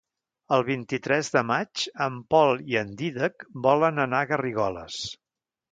El vint-i-tres de maig en Pol i en Dídac volen anar a Garrigoles.